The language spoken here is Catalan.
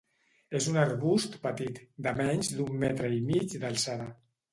És un arbust petit, de menys d'un metre i mig d'alçada.